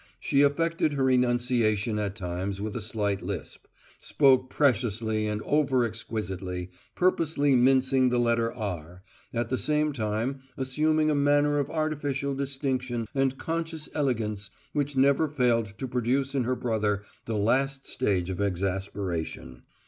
She affected her enunciation at times with a slight lisp; spoke preciously and over exquisitely, purposely mincing the letter R, at the same time assuming a manner of artificial distinction and conscious elegance which never failed to produce in her brother the last stage of exasperation.